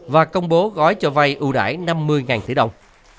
và công bố gói cho vay ưu đại năm mươi tỷ đồng